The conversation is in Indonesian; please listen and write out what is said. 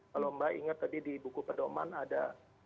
kalau mbak ingat tadi di buku pedoman ada